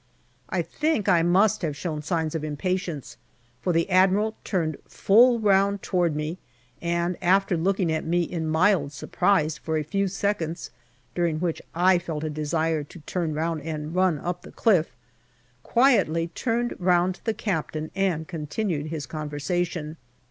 I think I must have shown signs of impatience, for the Admiral turned full round toward me, and after looking at me in mild surprise for a few seconds, during which I felt a desire to turn round and run up the cliff, quietly turned round to the Captain and continued his conversation.